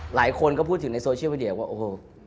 หลายคนก็พูดถึงในวิดีโอเหมือนเดี๋ยวว่าโอ้ว